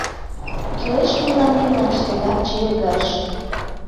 Кӱлеш мыланем лач тыгак чевергаш